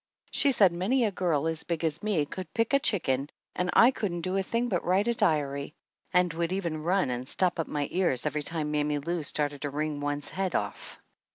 She said many a girl as big as me could pick a chicken and I couldn't do a thing but write a diary ; and would even run and stop up my ears every time Mammy Lou started to wring one's head off.